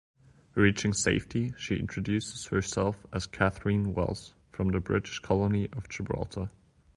Reaching safety, she introduces herself as Katherine Wells from the British colony of Gibraltar.